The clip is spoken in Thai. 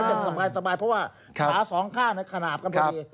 ยังสบายเพราะว่าขาสองข้างในขนาดกันพอดี